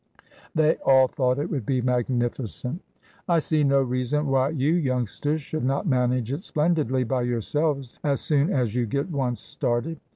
They all thought it would be magnificent. "I see no reason why you youngsters should not manage it splendidly by yourselves at soon as you get once started.